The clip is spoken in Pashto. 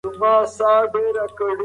تاريکي پېړۍ د علم لپاره سختې وې.